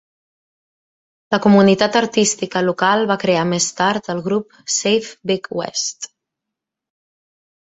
La comunitat artística local va crear més tard el grup Save Big West.